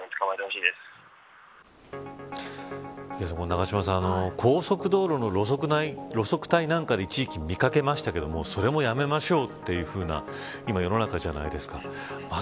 永島さん、高速道路の路側帯なんかで一時期見掛けましたけどもそれもやめましょうというふうな世の中じゃないですか、今。